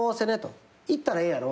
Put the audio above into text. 行ったらええんやろと。